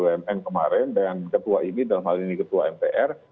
bumn kemarin dan ketua ini dalam hal ini ketua mpr